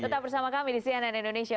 tetap bersama kami di cnn indonesia